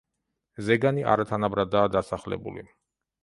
ზეგანი არათანაბრადაა დასახლებული.